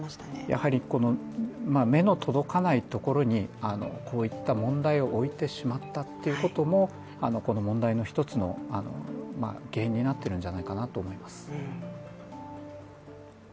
やはり、目の届かないところにこういった問題を置いてしまったということもこの問題の一つの原因になってるんじゃないかなと思います。